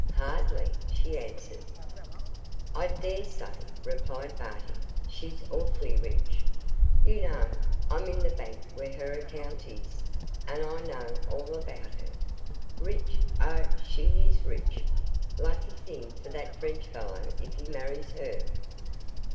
'Hardly,' she answered. 'I dare say,' replied Barty, 'she's awfully rich. You know, I'm in the bank where her account is, and I know all about her. Rich! oh, she is rich! Lucky thing for that French fellow if he marries her.